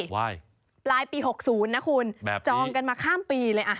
ไว้ปลายปีหกศูนย์นะคุณแบบนี้จองกันมาข้ามปีเลยอ่ะ